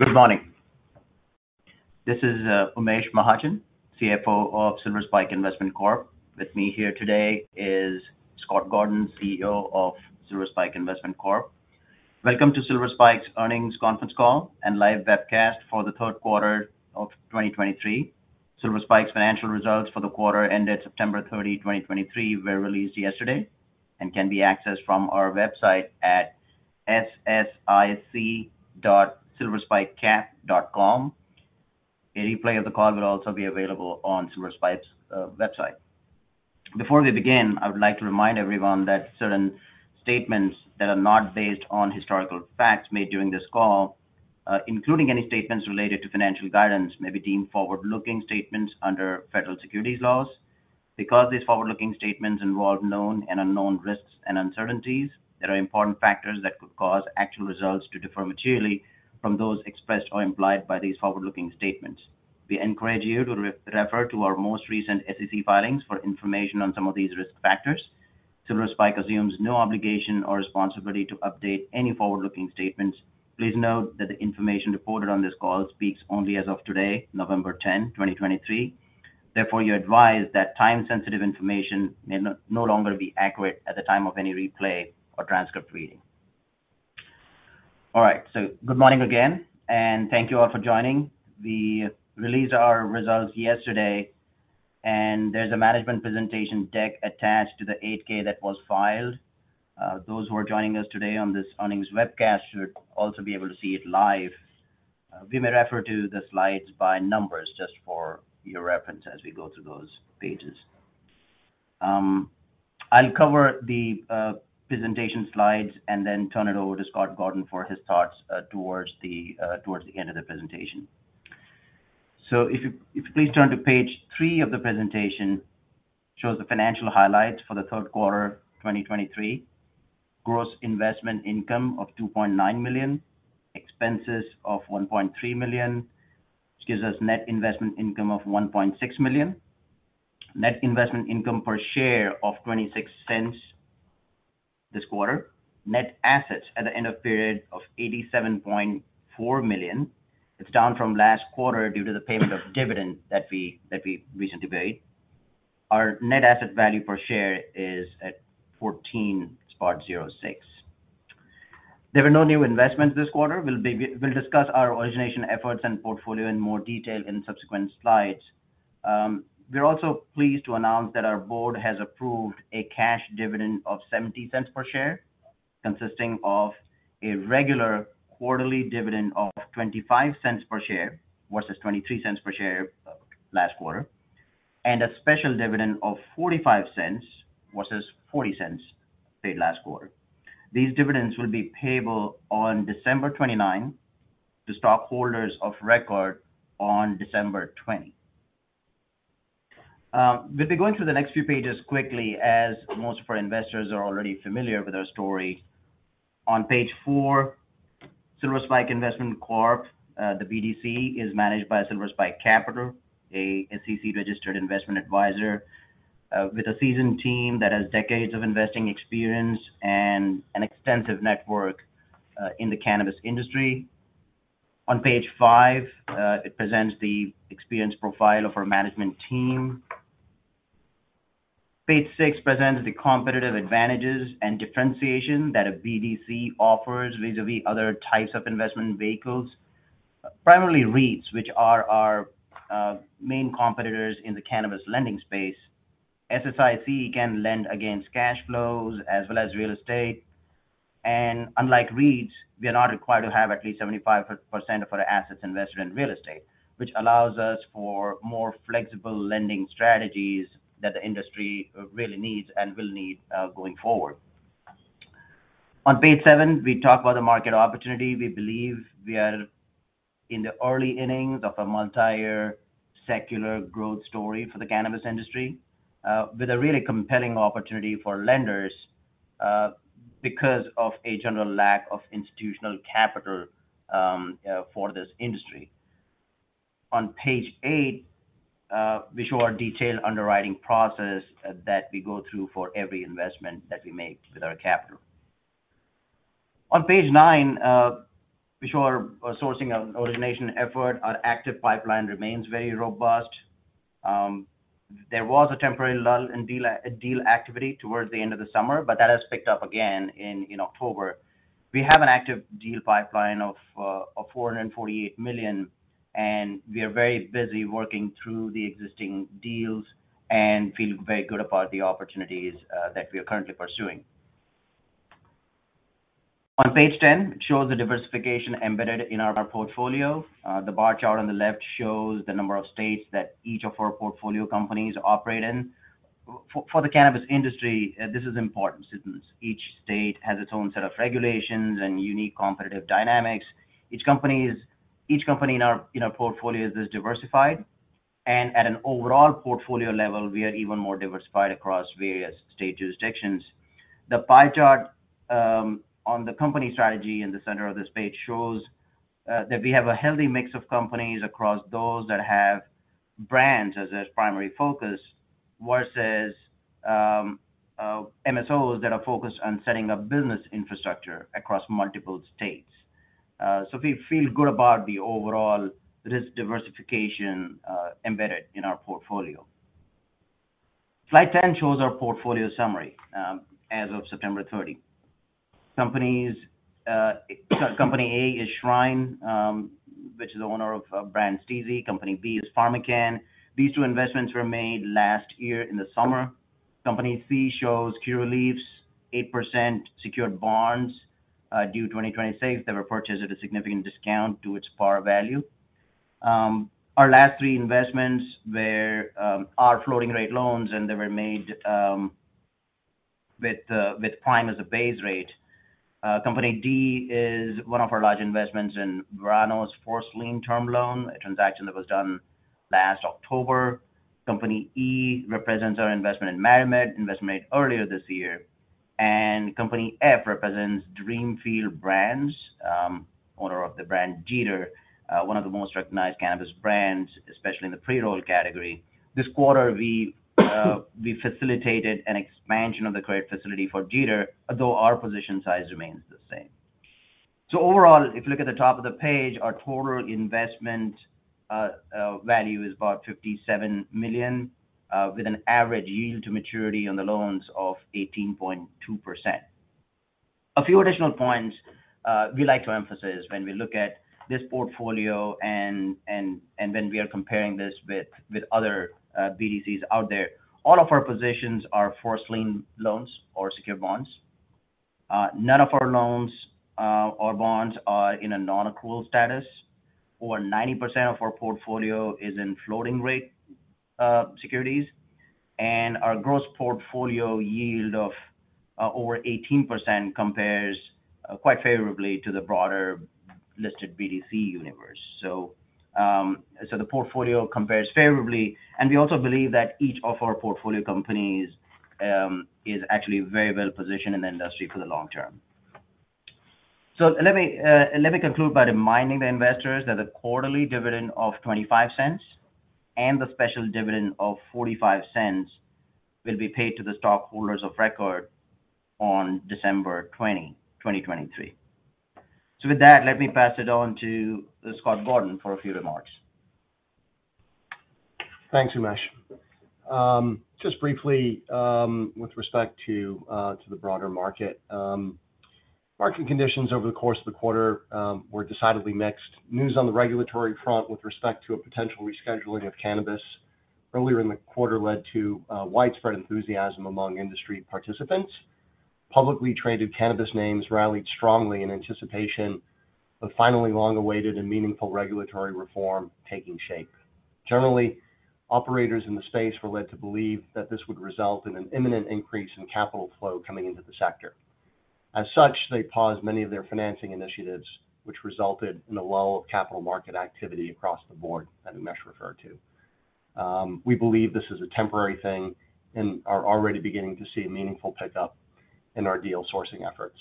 Good morning. This is Umesh Mahajan, CFO of Silver Spike Investment Corp. With me here today is Scott Gordon, CEO of Silver Spike Investment Corp. Welcome to Silver Spike's earnings conference call and live webcast for the third quarter of 2023. Silver Spike's financial results for the quarter ended September 30, 2023, were released yesterday and can be accessed from our website at ssic.silverspikecap.com. A replay of the call will also be available on Silver Spike's website. Before we begin, I would like to remind everyone that certain statements that are not based on historical facts made during this call, including any statements related to financial guidance, may be deemed forward-looking statements under federal securities laws. Because these forward-looking statements involve known and unknown risks and uncertainties, there are important factors that could cause actual results to differ materially from those expressed or implied by these forward-looking statements. We encourage you to refer to our most recent SEC filings for information on some of these risk factors. Silver Spike assumes no obligation or responsibility to update any forward-looking statements. Please note that the information reported on this call speaks only as of today, November 10, 2023. Therefore, you're advised that time-sensitive information may no longer be accurate at the time of any replay or transcript reading. All right. So good morning again, and thank you all for joining. We released our results yesterday, and there's a management presentation deck attached to the 8-K that was filed. Those who are joining us today on this earnings webcast should also be able to see it live. We may refer to the slides by numbers just for your reference as we go through those pages. I'll cover the presentation slides and then turn it over to Scott Gordon for his thoughts towards the end of the presentation. So if you please turn to page three of the presentation. Shows the financial highlights for the third quarter 2023. Gross investment income of $2.9 million, expenses of $1.3 million, which gives us net investment income of $1.6 million. Net investment income per share of $0.26 this quarter. Net assets at the end of period of $87.4 million. It's down from last quarter due to the payment of dividend that we recently paid. Our net asset value per share is at 14.06. There were no new investments this quarter. We'll discuss our origination efforts and portfolio in more detail in subsequent slides. We're also pleased to announce that our board has approved a cash dividend of $0.70 per share, consisting of a regular quarterly dividend of $0.25 per share, versus $0.23 per share last quarter, and a special dividend of $0.45 versus $0.40 paid last quarter. These dividends will be payable on December 29, to stockholders of record on December 20. We'll be going through the next few pages quickly, as most of our investors are already familiar with our story. On page four, Silver Spike Investment Corp, the BDC, is managed by Silver Spike Capital, a SEC-registered investment advisor, with a seasoned team that has decades of investing experience and an extensive network in the cannabis industry. On page five, it presents the experience profile of our management team. Page six presents the competitive advantages and differentiation that a BDC offers vis-à-vis other types of investment vehicles, primarily REITs, which are our main competitors in the cannabis lending space. SSIC can lend against cash flows as well as real estate, and unlike REITs, we are not required to have at least 75% of our assets invested in real estate, which allows us for more flexible lending strategies that the industry really needs and will need going forward. On page seven, we talk about the market opportunity. We believe we are in the early innings of a multi-year secular growth story for the cannabis industry, with a really compelling opportunity for lenders, because of a general lack of institutional capital, for this industry. On page eight, we show our detailed underwriting process that we go through for every investment that we make with our capital. On page nine, we show our sourcing and origination effort. Our active pipeline remains very robust. There was a temporary lull in deal activity towards the end of the summer, but that has picked up again in October. We have an active deal pipeline of $448 million, and we are very busy working through the existing deals and feel very good about the opportunities that we are currently pursuing. On page 10, it shows the diversification embedded in our portfolio. The bar chart on the left shows the number of states that each of our portfolio companies operate in. For the cannabis industry, this is important, since each state has its own set of regulations and unique competitive dynamics. Each company in our portfolios is diversified, and at an overall portfolio level, we are even more diversified across various state jurisdictions. The pie chart on the company strategy in the center of this page shows that we have a healthy mix of companies across those that have brands as its primary focus, versus MSOs that are focused on setting up business infrastructure across multiple states. So we feel good about the overall risk diversification embedded in our portfolio. Slide 10 shows our portfolio summary, as of September 30. Companies, company A is Shryne, which is the owner of brand Stiiizy. Company B is PharmaCann. These two investments were made last year in the summer. Company C shows Curaleaf's 8% secured bonds, due 2026. They were purchased at a significant discount to its par value. Our last three investments are floating-rate loans, and they were made with prime as a base rate. Company D is one of our large investments in Verano's first lien term loan, a transaction that was done last October. Company E represents our investment in MariMed, investment made earlier this year. And Company F represents DreamFields, owner of the brand Jeeter, one of the most recognized cannabis brands, especially in the pre-roll category. This quarter, we facilitated an expansion of the credit facility for Jeeter, although our position size remains the same. So overall, if you look at the top of the page, our total investment value is about $57 million, with an average yield to maturity on the loans of 18.2%. A few additional points, we like to emphasize when we look at this portfolio and when we are comparing this with other BDCs out there. All of our positions are first lien loans or secured bonds. None of our loans or bonds are in a non-accrual status, over 90% of our portfolio is in floating-rate securities, and our gross portfolio yield of over 18% compares quite favorably to the broader listed BDC universe. So, the portfolio compares favorably, and we also believe that each of our portfolio companies is actually very well positioned in the industry for the long term. So let me conclude by reminding the investors that the quarterly dividend of $0.25 and the special dividend of $0.45 will be paid to the stockholders of record on December 20, 2023. So with that, let me pass it on to Scott Gordon for a few remarks. Thanks, Umesh. Just briefly, with respect to the broader market. Market conditions over the course of the quarter were decidedly mixed. News on the regulatory front with respect to a potential rescheduling of cannabis earlier in the quarter led to widespread enthusiasm among industry participants. Publicly traded cannabis names rallied strongly in anticipation of finally long-awaited and meaningful regulatory reform taking shape. Generally, operators in the space were led to believe that this would result in an imminent increase in capital flow coming into the sector. As such, they paused many of their financing initiatives, which resulted in a lull of capital market activity across the board that Umesh referred to. We believe this is a temporary thing and are already beginning to see a meaningful pickup in our deal sourcing efforts.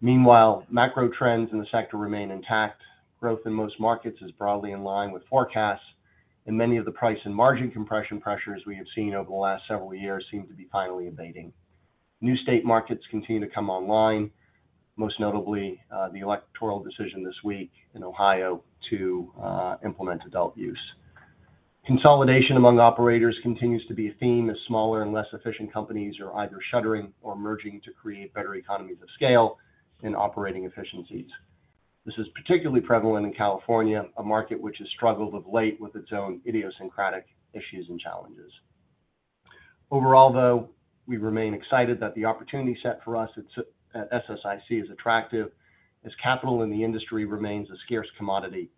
Meanwhile, macro trends in the sector remain intact. Growth in most markets is broadly in line with forecasts, and many of the price and margin compression pressures we have seen over the last several years seem to be finally abating. New state markets continue to come online, most notably, the electoral decision this week in Ohio to implement adult use. Consolidation among operators continues to be a theme, as smaller and less efficient companies are either shuttering or merging to create better economies of scale and operating efficiencies. This is particularly prevalent in California, a market which has struggled of late with its own idiosyncratic issues and challenges. Overall, though, we remain excited that the opportunity set for us at SSIC is attractive, as capital in the industry remains a scarce commodity,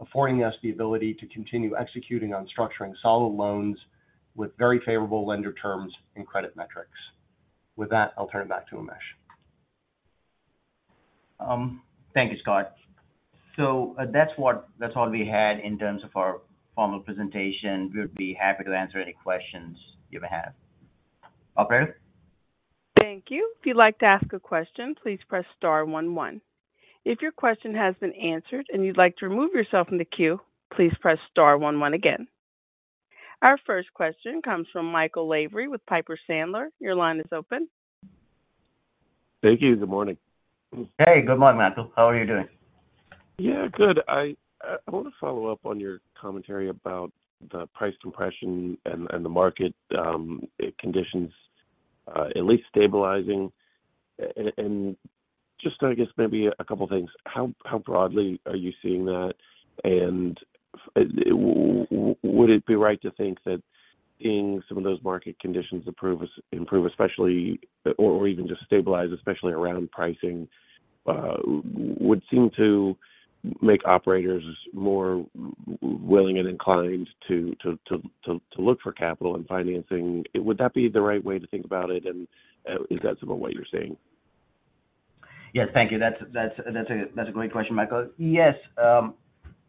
affording us the ability to continue executing on structuring solid loans with very favorable lender terms and credit metrics. With that, I'll turn it back to Umesh. Thank you, Scott. So that's all we had in terms of our formal presentation. We'd be happy to answer any questions you may have. Operator? Thank you. If you'd like to ask a question, please press star one one. If your question has been answered and you'd like to remove yourself from the queue, please press star one one again. Our first question comes from Michael Lavery with Piper Sandler. Your line is open. Thank you. Good morning. Hey, good morning, Michael. How are you doing? Yeah, good. I want to follow up on your commentary about the price compression and the market conditions at least stabilizing. And just, I guess, maybe a couple things. How broadly are you seeing that? And would it be right to think that seeing some of those market conditions approve, improve, especially, or even just stabilize, especially around pricing, would seem to make operators more willing and inclined to look for capital and financing? Would that be the right way to think about it? And is that sort of what you're seeing? Yes, thank you. That's a great question, Michael. Yes,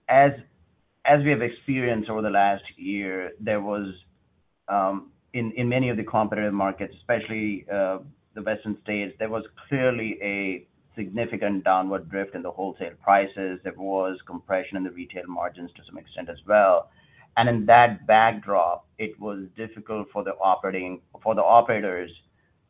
as we have experienced over the last year, there was in many of the competitive markets, especially the Western states, there was clearly a significant downward drift in the wholesale prices. There was compression in the retail margins to some extent as well. And in that backdrop, it was difficult for the operating for the operators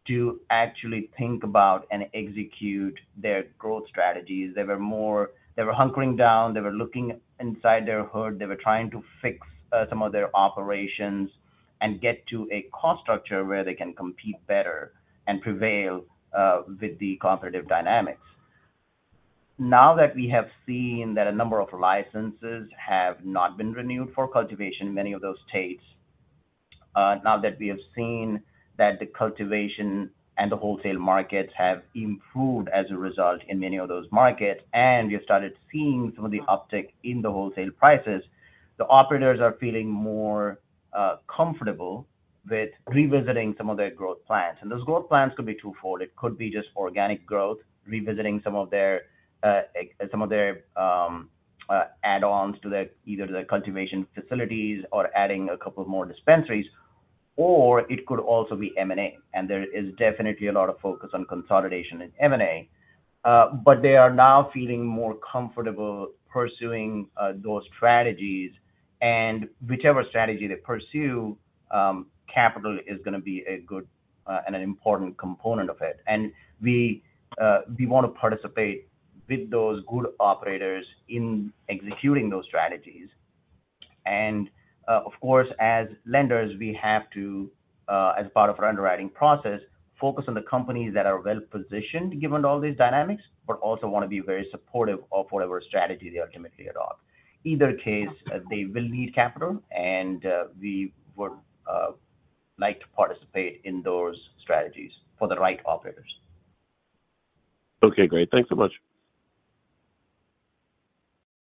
to actually think about and execute their growth strategies. They were more they were hunkering down, they were looking inside their hood, they were trying to fix some of their operations and get to a cost structure where they can compete better and prevail with the competitive dynamics. Now that we have seen that a number of licenses have not been renewed for cultivation in many of those states, now that we have seen that the cultivation and the wholesale markets have improved as a result in many of those markets, and we have started seeing some of the uptick in the wholesale prices, the operators are feeling more comfortable with revisiting some of their growth plans. And those growth plans could be twofold. It could be just organic growth, revisiting some of their add-ons to either the cultivation facilities or adding a couple more dispensaries, or it could also be M&A. And there is definitely a lot of focus on consolidation in M&A. But they are now feeling more comfortable pursuing those strategies. And whichever strategy they pursue, capital is gonna be a good, and an important component of it. And we, we want to participate with those good operators in executing those strategies. And, of course, as lenders, we have to, as part of our underwriting process, focus on the companies that are well-positioned, given all these dynamics, but also want to be very supportive of whatever strategy they ultimately adopt. Either case, they will need capital, and, we would, like to participate in those strategies for the right operators. Okay, great. Thanks so much.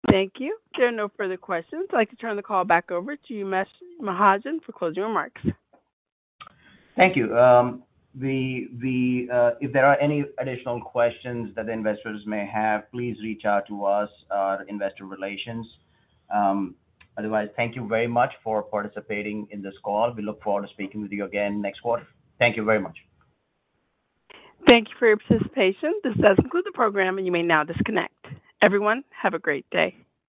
Thank you. There are no further questions. I'd like to turn the call back over to Umesh Mahajan for closing remarks. Thank you. If there are any additional questions that investors may have, please reach out to us, our investor relations. Otherwise, thank you very much for participating in this call. We look forward to speaking with you again next quarter. Thank you very much. Thank you for your participation. This does conclude the program, and you may now disconnect. Everyone, have a great day.